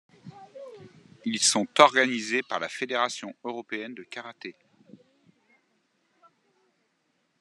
Ils sont organisés par la Fédération européenne de karaté.